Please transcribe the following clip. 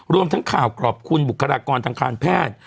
รวมทั้งข่าวขอบคุณบุคลากรทางการแพทย์